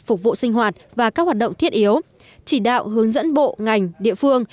phục vụ sinh hoạt và các hoạt động thiết yếu chỉ đạo hướng dẫn bộ ngành địa phương